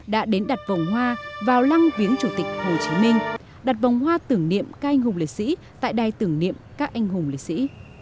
đã đến đặt vòng hoa vào lăng viếng chủ tịch hồ chí minh đặt vòng hoa tưởng niệm các anh hùng liệt sĩ tại đài tưởng niệm các anh hùng lịch sĩ